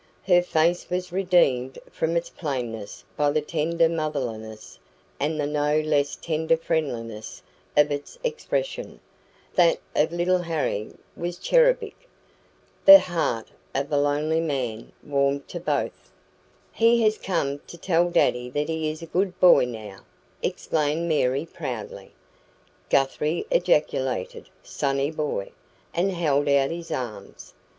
Her face was redeemed from its plainness by the tender motherliness and the no less tender friendliness of its expression; that of little Harry was cherubic. The heart of the lonely man warmed to both. "He has come to tell daddy that he is a good boy now," explained Mary proudly. Guthrie ejaculated "Sonny boy!" and held out his arms.